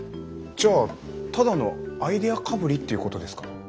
じゃあただのアイデアかぶりっていうことですか？